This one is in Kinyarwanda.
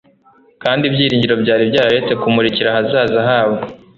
kandi ibyiringiro byari byararetse kumurikira ahazaza habo.